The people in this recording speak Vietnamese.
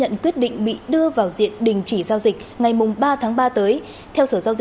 cảm ơn các bạn đã theo dõi